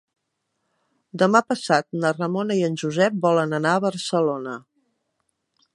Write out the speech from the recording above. Demà passat na Ramona i en Josep volen anar a Barcelona.